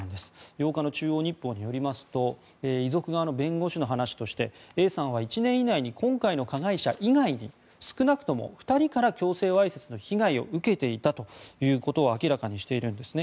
８日の中央日報によりますと遺族側の弁護士の話としてＡさんは１年以内に今回の加害者以外に少なくとも２人から強制わいせつの被害を受けていたということを明らかにしているんですね。